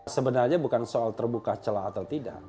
sebenarnya bukan soal terbuka celah atau tidak